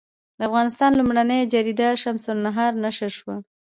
د افغانستان لومړنۍ جریده شمس النهار نشر شوه.